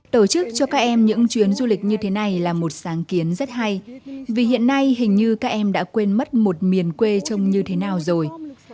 tổ chức cho các em những chuyến du lịch như thế này là một sáng kiến rất hay vì hiện nay hình như các em đã quên mất một miền quê trông như thế nào rồi